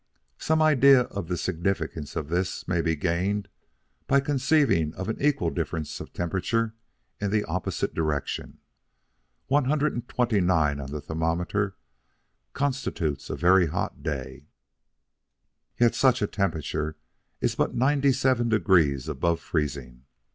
Some idea of the significance of this may be gained by conceiving of an equal difference of temperature in the opposite direction. One hundred and twenty nine on the thermometer constitutes a very hot day, yet such a temperature is but ninety seven degrees above freezing.